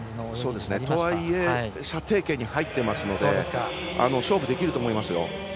とはいえ射程圏に入ってますので勝負できると思いますよ。